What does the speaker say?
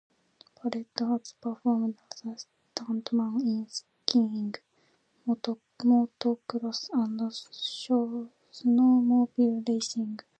Barrett has performed as a stuntman in skiing, motocross and snowmobile racing.